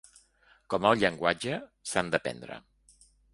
Com el llenguatge, s’han d’aprendre.